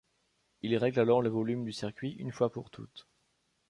Il règle alors le volume du circuit une fois pour toutes.